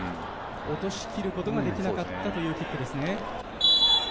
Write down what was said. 落としきることができなかったキックですね。